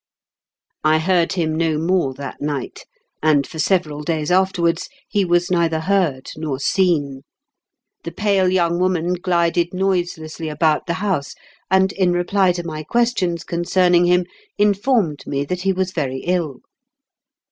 I heard him no more that night, and for several days after wards he was neither heard nor seen. The pale young woman glided noiselessly about the house, and, in reply to my questions con cerning him, informed me that he was very ill.